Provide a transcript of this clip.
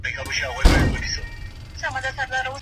د شپې له خوا په کلي کې باران وورېد.